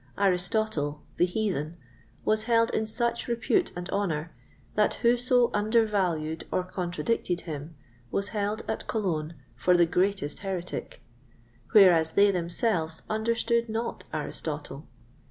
Aristotle, the Heathen, was held in such repute and honour, that whoso undervalued or contradicted him was held, at Cologne, for the greatest heretic; whereas they themselves understood not Aristotle.